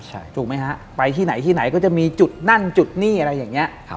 ใช่ถูกไหมฮะไปที่ไหนที่ไหนก็จะมีจุดนั่นจุดนี่อะไรอย่างนี้